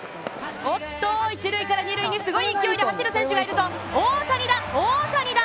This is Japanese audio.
おっと、一塁から二塁にすごい勢いで走る選手がいるぞ、大谷だ、大谷だ！